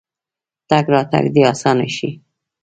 تګ راتګ دې اسانه شي.